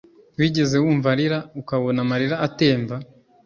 wigeze wumva arira ukabona amarira atemba,